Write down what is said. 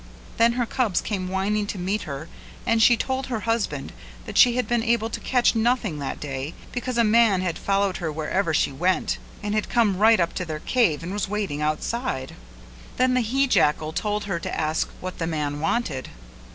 Then her cubs came whining to meet her and she told her husband that she had been able to catch nothing that day because a man had followed her wherever she went, and had come right up to their cave and was waiting outside. Then the he jackal told her to ask what the man wanted.